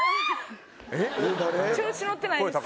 調子乗ってないです。